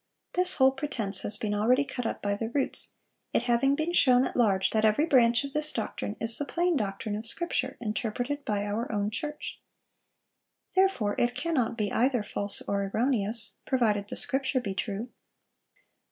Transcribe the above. This whole pretense has been already cut up by the roots, it having been shown at large that every branch of this doctrine is the plain doctrine of Scripture interpreted by our own church. Therefore it cannot be either false or erroneous, provided the Scripture be true."